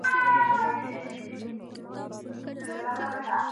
شپه تیاره وه ژر نیهام ځانته تنها سو!.